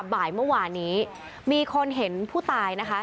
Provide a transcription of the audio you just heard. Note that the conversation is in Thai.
บ่ายเมื่อวานนี้มีคนเห็นผู้ตายนะคะ